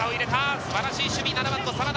素晴らしい守備、７番の真田。